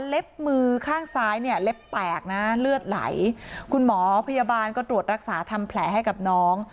มือข้างซ้ายเนี่ยเล็บแตกนะเลือดไหลคุณหมอพยาบาลก็ตรวจรักษาทำแผลให้กับน้อง